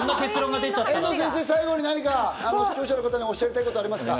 先生、最後に視聴者の方におっしゃりたいことはありますか？